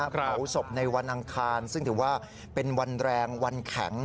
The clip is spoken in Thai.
เผาศพในวันอังคารซึ่งถือว่าเป็นวันแรงวันแข็ง